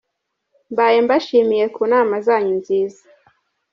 Mbaye mbashimiye ku nama zanyu nziza.